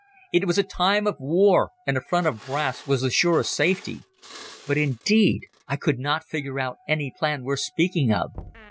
It was a time of war, and a front of brass was the surest safety. But, indeed, I could not figure out any plan worth speaking of.